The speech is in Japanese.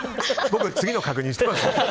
僕、次の確認してますね。